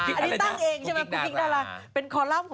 คุกกิ๊กดาราก